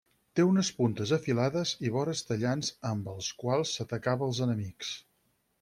Té unes puntes afilades i vores tallants amb els quals s'atacava als enemics.